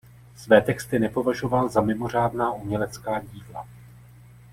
Své texty nepovažoval za mimořádná umělecká díla.